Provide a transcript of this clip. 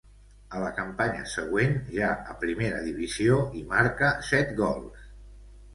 A la campanya següent, ja a primera divisió, hi marca set gols.